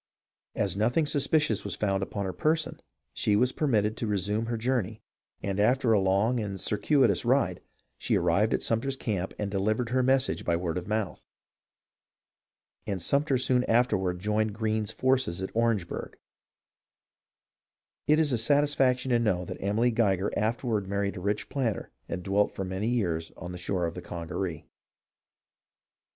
As nothing suspicious was found upon her person she was permitted to resume her journey, and after a long and circuitous ride she arrived at Sumter's camp and delivered her message by word of mouth. And Sumter soon afterward Joined Greene's forces at Orange burgh. It is a satisfaction to know that Emily Geiger afterward married a rich planter and dwelt for many years on the shore of the Congaree.